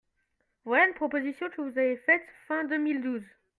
Voilà une proposition que vous avez faite fin deux mille douze.